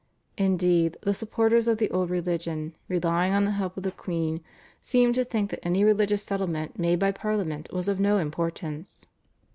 Indeed the supporters of the old religion, relying on the help of the queen, seemed to think that any religious settlement made by Parliament was of no importance.